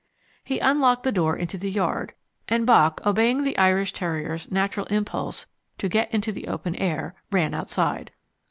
He unlocked the door into the yard, and Bock obeying the Irish terrier's natural impulse to get into the open air, ran outside.